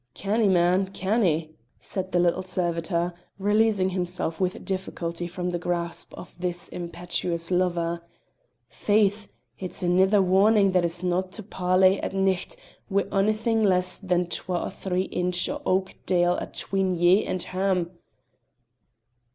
"Canny, man, canny!" said the little servitor, releasing himself with difficulty from the grasp of this impetuous lover. "Faith! it's anither warnin' this no' to parley at nicht wi' onything less than twa or three inch o' oak dale atween ye and herm."